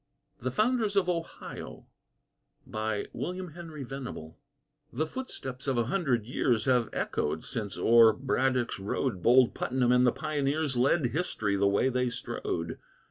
THE FOUNDERS OF OHIO The footsteps of a hundred years Have echoed, since o'er Braddock's Road Bold Putnam and the Pioneers Led History the way they strode.